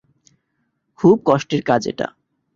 খুব কষ্টের কাজ এটা।